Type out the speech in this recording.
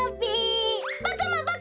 ボクもボクも！